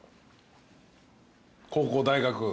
高校大学？